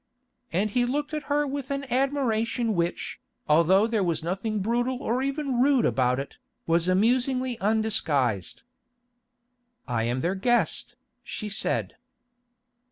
and he looked at her with an admiration which, although there was nothing brutal or even rude about it, was amusingly undisguised. "I am their guest," she said.